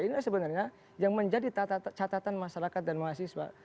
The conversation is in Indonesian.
inilah sebenarnya yang menjadi catatan masyarakat dan mahasiswa